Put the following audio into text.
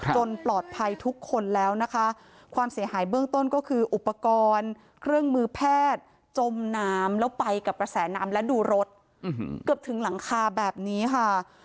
ปลอดภัยทุกคนแล้วนะคะความเสียหายเบื้องต้นก็คืออุปกรณ์เครื่องมือแพทย์จมน้ำแล้วไปกับกระแสน้ำและดูรถเกือบถึงหลังคาแบบนี้ค่ะ